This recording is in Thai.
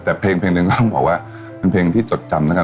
แต่เพลงหนึ่งต้องบอกว่าเป็นเพลงที่จดจำนะครับ